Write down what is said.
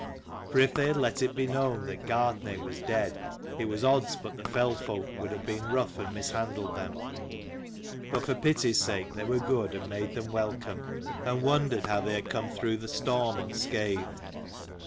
For if they had let it be known that Gartnaidh was dead, it was odds but the fell folk would have been rough and mishandled them. But for pity's sake they were good, and made them welcome, and wondered how they had come through the storm unscathed.